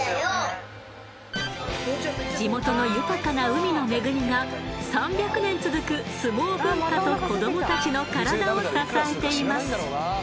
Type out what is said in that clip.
地元の豊かな海の恵みが３００年続く相撲文化と子どもたちの体を支えています。